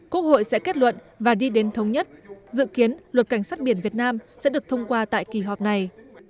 quốc hội sẽ kết luận và đi đến thống nhất dự kiến luật cảnh sát biển việt nam sẽ được thông qua tại kỳ họp này